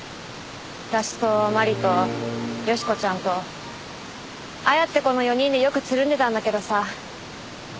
私と麻里と良子ちゃんと亜弥って子の４人でよくつるんでたんだけどさ。